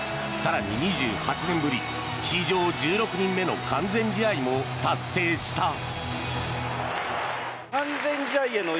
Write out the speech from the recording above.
更に２８年ぶり、史上１６人目の完全試合も達成した。